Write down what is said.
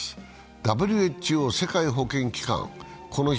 ＷＨＯ＝世界保健機関、この日